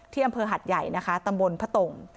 ที่อหัดใหญ่นะคะตำบลพตง